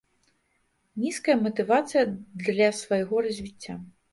Нізкая матывацыя для свайго развіцця.